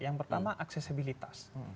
yang pertama aksesibilitas